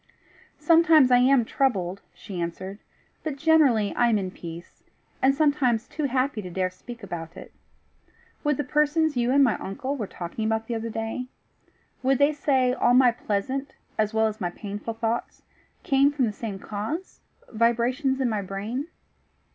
"Sometimes I am troubled," she answered; "but generally I am in peace, and sometimes too happy to dare speak about it. Would the persons you and my uncle were talking about the other day would they say all my pleasant as well as my painful thoughts came from the same cause vibrations in my brain?"